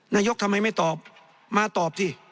นายกทำไมไม่ตอบมาตอบสิ